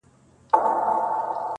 او پای پوښتنه پرېږدي,